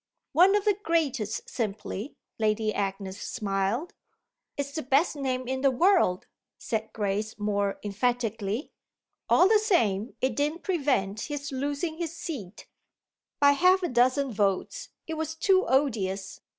"One of the greatest, simply," Lady Agnes smiled. "It's the best name in the world!" said Grace more emphatically. "All the same it didn't prevent his losing his seat." "By half a dozen votes: it was too odious!"